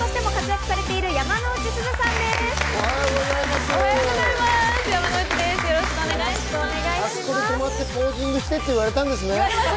あそこで止まってポージングしてって言われたんですね。